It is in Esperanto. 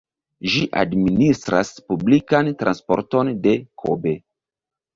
Ĝi administras publikan transporton de Kobe.